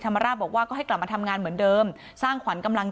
ธรรมราชบอกว่าก็ให้กลับมาทำงานเหมือนเดิมสร้างขวัญกำลัง